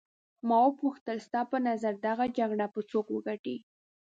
ما وپوښتل ستا په نظر دغه جګړه به څوک وګټي.